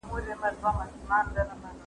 ایا زه اجازه لرم چي دا کتاب واخلم؟